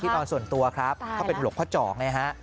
นอนส่วนตัวครับเขาเป็นหลวงพ่อเจาะไงฮะ